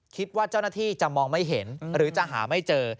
คิดว่าเจ้าหน้าที่จะมองไม่เห็นหรือจะหาไม่เจอ